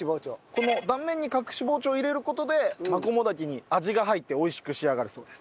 この断面に隠し包丁を入れる事でマコモダケに味が入って美味しく仕上がるそうです。